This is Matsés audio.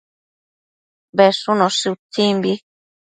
Bedshunoshi utsimbi